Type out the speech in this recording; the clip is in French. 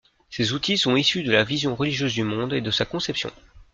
Ces outils sont issus de la vision religieuse du monde et de sa conception.